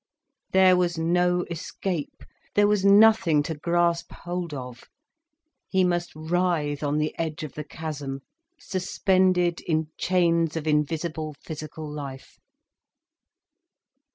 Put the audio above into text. There was no escape, there was nothing to grasp hold of. He must writhe on the edge of the chasm, suspended in chains of invisible physical life.